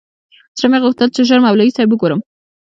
زړه مې غوښتل چې ژر مولوي صاحب وگورم.